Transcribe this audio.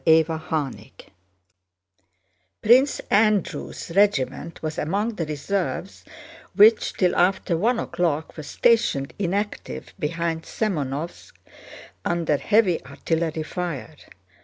CHAPTER XXXVI Prince Andrew's regiment was among the reserves which till after one o'clock were stationed inactive behind Semënovsk, under heavy artillery fire.